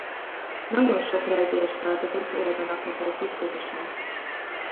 Nagyon sok rejtélyes feladatot oldanak meg együtt közösen.